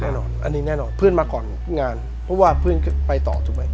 อันนี้แน่นอนเพื่อนมาก่อนงานเพราะว่าเพื่อนไปต่อ